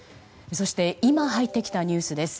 そして、今入ってきたニュースです。